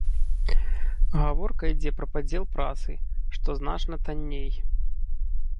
Гаворка ідзе пра падзел працы, што значна танней.